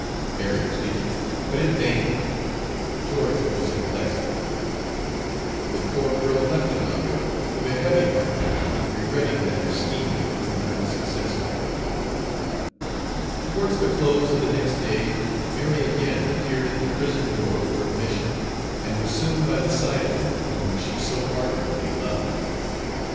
Mary pleaded, but in vain George was inflexible. The poor girl left her lover with a heavy heart, regretting that her scheme had proved unsuccessful. Towards the close of the next day, Mary again appeared at the prison door for admission, and was soon by the side of him whom she so ardently loved.